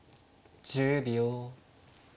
１０秒。